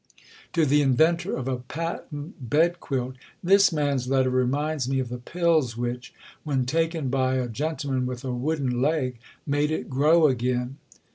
To the inventor of a patent bed quilt: "This man's letter reminds me of the Pills which, when taken by a gentleman with a wooden leg, made it grow again."